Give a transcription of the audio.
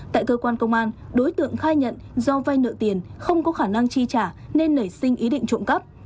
tại cơ quan công an đối tượng khai nhận do vay nợ tiền không có khả năng chi trả nên nảy sinh ý định trộm cắp